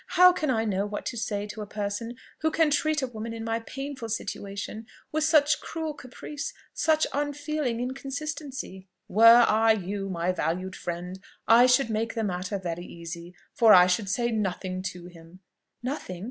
"How can I know what to say to a person who can treat a woman in my painful situation with such cruel caprice, such unfeeling inconsistency?" "Were I you, my valued friend, I should make the matter very easy, for I should say nothing to him." "Nothing?